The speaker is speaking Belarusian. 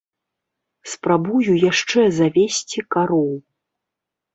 Спрабую яшчэ завесці кароў.